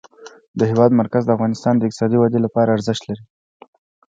د هېواد مرکز د افغانستان د اقتصادي ودې لپاره ارزښت لري.